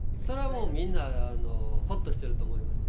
もう、みんなほっとしてると思います。